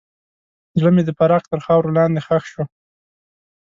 زړه مې د فراق تر خاورو لاندې ښخ شو.